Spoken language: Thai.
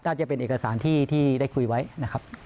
น่าจะเป็นเอกสารที่ได้คุยไว้นะครับ